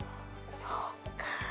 そっかぁ。